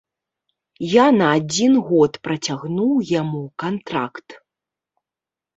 Я на адзін год працягнуў яму кантракт.